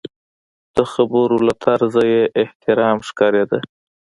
د خبرو له طرزه یې احترام ښکارېده.